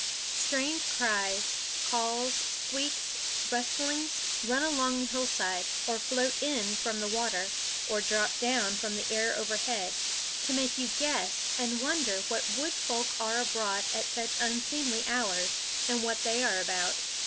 Strange cries, calls, squeaks, rustlings run along the hillside, or float in from the water, or drop down from the air overhead, to make you guess and wonder what wood folk are abroad at such unseemly hours, and what they are about.